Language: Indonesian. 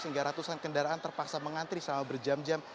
sehingga ratusan kendaraan terpaksa mengantri selama berjam jam